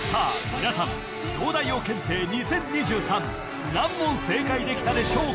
皆さん東大王検定２０２３何問正解できたでしょうか？